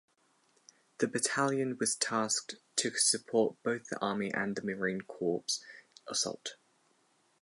The battalion was tasked to support both the Army and the Marine Corps assault.